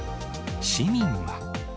市民は。